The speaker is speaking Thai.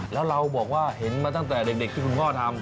แล้วเราบอกว่าเห็นมาตั้งแต่เด็กที่คุณพ่อทำ